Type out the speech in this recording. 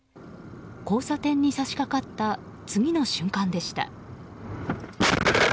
交差点に差し掛かった次の瞬間でした。